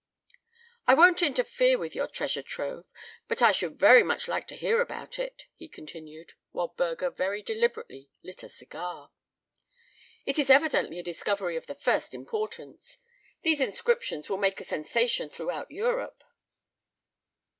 "I won't interfere with your treasure trove, but I should very much like to hear about it," he continued, while Burger very deliberately lit a cigar. "It is evidently a discovery of the first importance. These inscriptions will make a sensation throughout Europe."